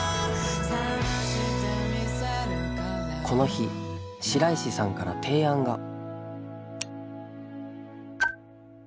この日白石さんから提案が。